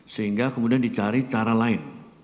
sehingga kemudian dicari cara lain